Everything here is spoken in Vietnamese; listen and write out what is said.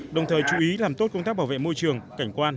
đồng thời chú ý làm tốt công tác bảo vệ môi trường cảnh quan